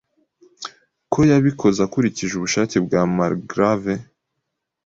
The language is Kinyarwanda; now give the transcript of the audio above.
Ko yabikoze akurikije ubushake bwa margrave